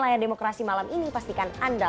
layar demokrasi malam ini pastikan anda